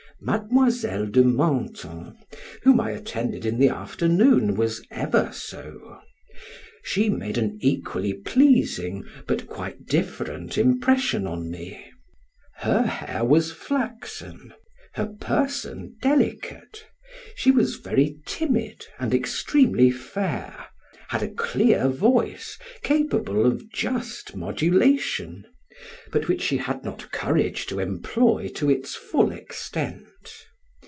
Mademoiselle de Menthon, whom I attended in the afternoon, was ever so. She made an equally pleasing, but quite different impression on me. Her hair was flaxen, her person delicate, she was very timid and extremely fair, had a clear voice, capable of just modulation, but which she had not courage to employ to its full extent.